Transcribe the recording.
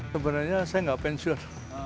sebenarnya saya tidak pensiun